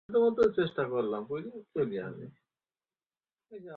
এতে প্রতিষ্ঠানগুলোর ঠিকানা এবং পরিচালনা পর্ষদ সদস্যদের নাম-পরিচয়ও তুলে ধরা হয়েছে।